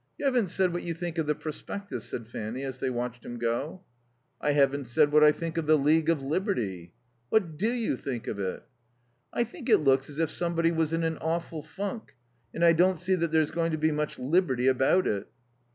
"You haven't said what you think of the prospectus," said Fanny, as they watched him go. "I haven't said what I think of the League of Liberty." "What do you think of it?" "I think it looks as if somebody was in an awful funk; and I don't see that there's going to be much liberty about it."